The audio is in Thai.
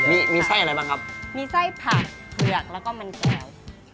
มีมีไส้อะไรบ้างครับมีไส้ผักเผือกแล้วก็มันแก้ว